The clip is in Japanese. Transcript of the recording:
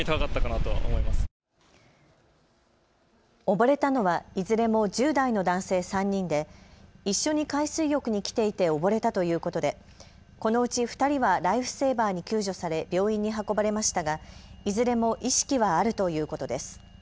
溺れたのはいずれも１０代の男性３人で一緒に海水浴に来ていて溺れたということでこのうち２人はライフセーバーに救助され、病院に運ばれましたがいずれも意識はあるということです。